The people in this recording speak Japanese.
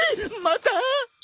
また！？